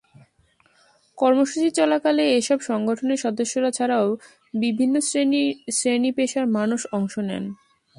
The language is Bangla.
কর্মসূচি চলাকালে এসব সংগঠনের সদস্যরা ছাড়াও বিভিন্ন শ্রেণি-পেশার মানুষ অংশ নেন।